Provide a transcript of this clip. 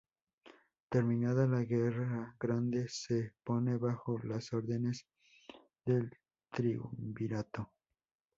Terminada la Guerra Grande se pone bajo las órdenes del Triunvirato.